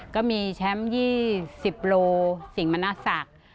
ก็มีแชมป์๒๐โลสิ่งมณศักดิ์